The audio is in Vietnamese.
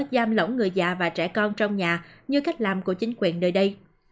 giam lỏng người già và trẻ con trong nhà như cách làm của chính quyền nơi đây